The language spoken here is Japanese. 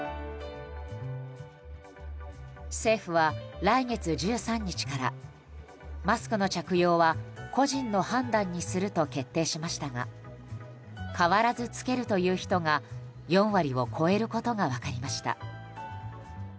政府は来月１３日からマスクの着用は個人の判断にすると決定しましたが変わらず着けるという人が４割を超えることが分かりました。